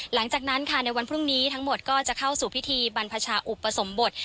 หลังจากนั้นค่ะในวันพรุ่งนี้ทั้งหมดก็จะเข้าสู่พิธีบรรพชาอุปสมบท